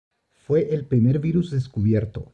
Fue el primer virus descubierto.